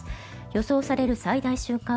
予想される最大瞬間